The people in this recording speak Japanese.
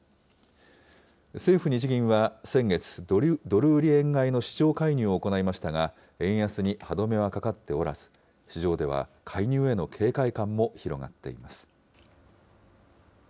政府・日銀は先月、ドル売り円買いの市場介入を行いましたが、円安に歯止めはかかっておらず、市場では介入への警戒感も広がっています。